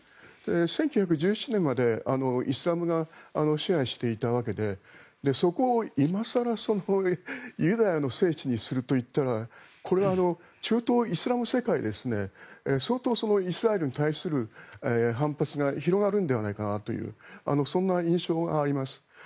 １９１７年までイスラムが支配していたわけでそこを今更ユダヤの聖地にすると言ったらこれは中東、イスラム世界相当イスラエルに対する反発が広がるのではないかなというそんな印象があります。